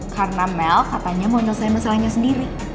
karena mel katanya mau selesai masalahnya sendiri